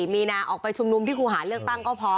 มีนาออกไปชุมนุมที่ครูหาเลือกตั้งก็พอ